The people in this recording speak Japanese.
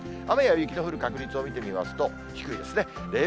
雨や雪の降る確率を見てみますと、低いですね。